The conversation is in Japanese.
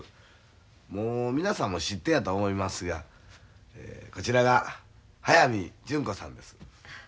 もう皆さんも知ってやと思いますがこちらが速水純子さんです。